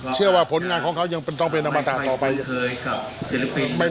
เชื่อว่าผลงานของเขายังต้องเป็นอมตาต่อไป